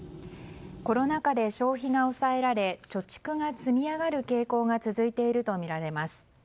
コロナ禍で消費が抑えられ貯蓄が積み上がる傾向が続いているとみられます。